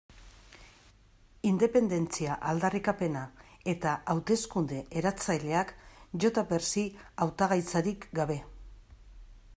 Independentzia aldarrikapena eta hauteskunde eratzaileak JxSí hautagaitzarik gabe.